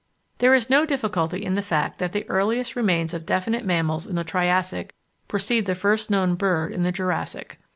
There is no difficulty in the fact that the earliest remains of definite mammals in the Triassic precede the first known bird in the Jurassic.